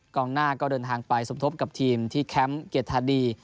องหน้าก็เดินทางไปสมทบกับทีมที่แคมป์เกียรติธาดี